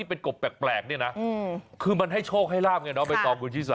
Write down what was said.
เออขามันโผล่แปลกนี่